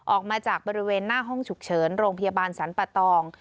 ออกมาจากบริเวณหน้าห้องฉุกเฉินโรงพยาบาลสรรปะตอง